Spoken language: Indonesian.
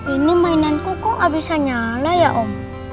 ini mainan kuku gak bisa nyala ya om